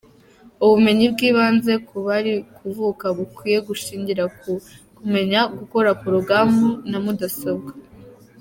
Ubumenyi bw’ibanze ku bari kuvuka bukwiye gushingira ku kumenya gukora porogaramu za mudasobwa.